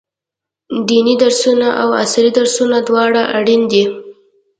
ديني درسونه او عصري درسونه دواړه اړين دي.